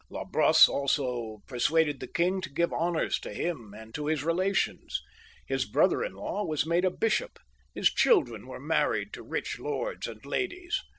La Brosse also persuaded the king to give honours to him and to his relations ; his brother in law was made a bishop, his children were married to rich lords and ladies.